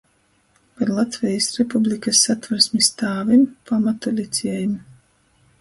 Par Latvejis Republikys Satversmis tāvim, pamatu liciejiem.